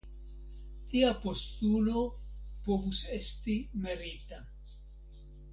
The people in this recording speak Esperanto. Tia postulo povus esti merita.